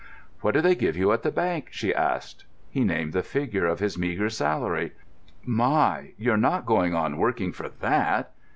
"What do they give you at the bank?" she asked. He named the figure of his meagre salary. "My! you're not going on working for that!"